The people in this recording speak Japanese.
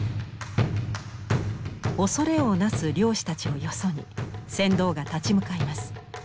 恐れをなす漁師たちをよそに船頭が立ち向かいます。